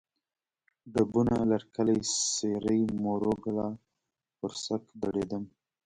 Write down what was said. ډبونه، لرکلی، سېرۍ، موړو کلا، ورسک، دړیدم